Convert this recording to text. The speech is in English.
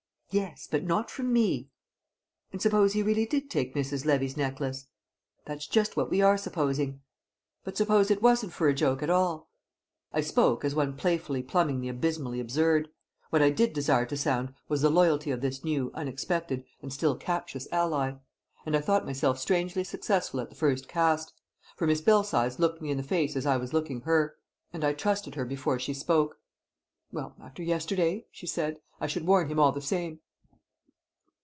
"Yes but not from me!" "And suppose he really did take Mrs. Levy's necklace?" "That's just what we are supposing." "But suppose it wasn't for a joke at all?" I spoke as one playfully plumbing the abysmally absurd; what I did desire to sound was the loyalty of this new, unexpected, and still captious ally. And I thought myself strangely successful at the first cast; for Miss Belsize looked me in the face as I was looking her, and I trusted her before she spoke. "Well, after yesterday," she said, "I should warn him all the same!"